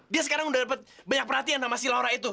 dia sekarang udah dapet banyak perhatian sama silaura itu